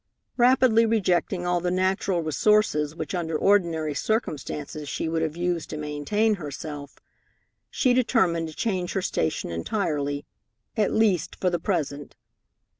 Rapidly rejecting all the natural resources which under ordinary circumstances she would have used to maintain herself, she determined to change her station entirely, at least for the present.